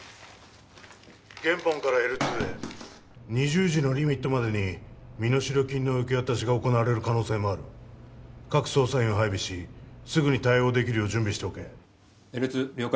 現本からＬ２へ２０時のリミットまでに身代金の受け渡しが行われる可能性もある各捜査員を配備しすぐに対応できるよう準備しておけＬ２了解